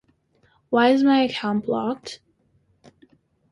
Why is my account blocked?